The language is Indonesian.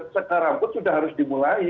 sekarang pun sudah harus dimulai